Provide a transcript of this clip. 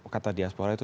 kata diaspora itu